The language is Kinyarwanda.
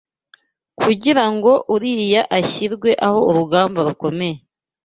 kugira ngo Uriya ashyirwe aho urugamba rukomeye